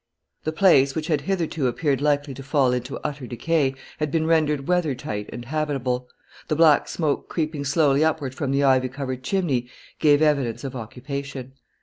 The place, which had hitherto appeared likely to fall into utter decay, had been rendered weather tight and habitable; the black smoke creeping slowly upward from the ivy covered chimney, gave evidence of occupation.